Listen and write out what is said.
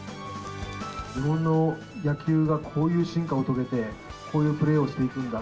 日本の野球がこういう進化を遂げて、こういうプレーをしていくんだ。